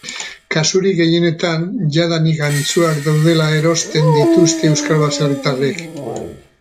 Kasurik gehienetan jadanik antzuak daudela erosten dituzte euskal baserritarrek.